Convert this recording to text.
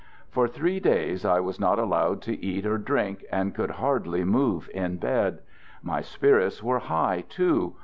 ... For three days I was not allowed to eat or drink and could hardly move in bed. My spirits were high, too.